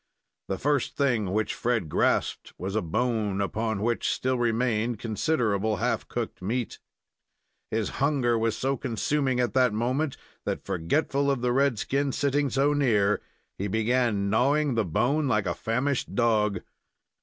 The first thing which Fred grasped was a bone, upon which still remained considerable half cooked meat. His hunger was so consuming at that moment that, forgetful of the red skin sitting so near, he began knawing the bone like a famished dog.